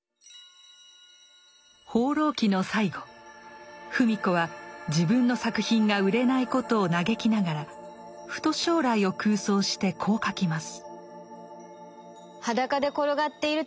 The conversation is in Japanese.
「放浪記」の最後芙美子は自分の作品が売れないことを嘆きながらふと将来を空想してこう書きます。